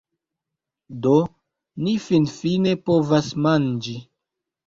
Do, ni finfine povas manĝi